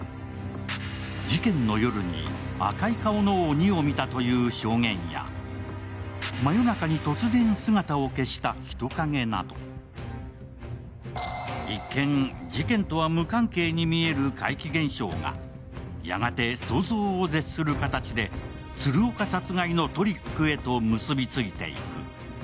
事件の夜に赤い顔の鬼を見たという証言や真夜中に突然姿を消した人影など、一見、事件とは無関係に見える怪奇現象がやがて想像を絶する形で鶴岡殺害のトリックへと結びついていく。